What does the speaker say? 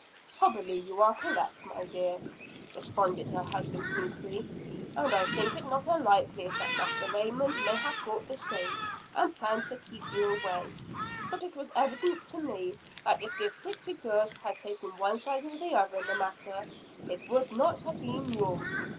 "Probably you are correct, my dear," responded her husband meekly; "and I think it not unlikely that Master Raymond may have thought the same, and planned to keep you away but it was evident to me, that if the 'afflicted girls' had taken one side or the other in the matter, it would not have been yours.